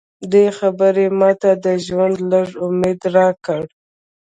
دې خبرې ماته د ژوند لږ امید راکړ